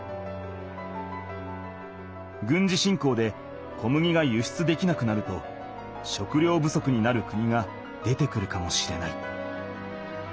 軍事侵攻で小麦が輸出できなくなると食料不足になる国が出てくるかもしれない。